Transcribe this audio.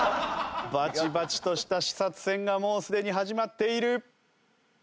バチバチとした視殺戦がもうすでに始まっている。